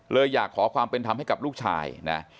เลยอยากขอความเป็นธรรมให้กับลูกชายนะ